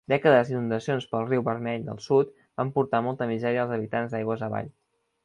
Dècades d'inundacions pel Riu Vermell del Sud van portar molta misèria als habitants aigües avall.